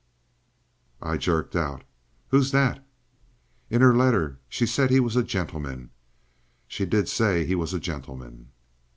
I jerked out: "Who's that?" "In her letter, she said he was a gentleman. She did say he was a gentleman."